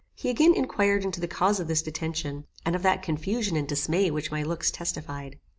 He again inquired into the cause of this detention, and of that confusion and dismay which my looks testified.